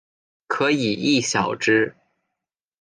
可以意晓之。